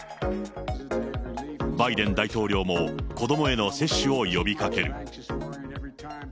バイデン大統領も、子どもへの接種を呼びかける。